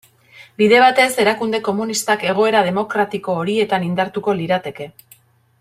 Bide batez, erakunde komunistak egoera demokratiko horietan indartuko lirateke.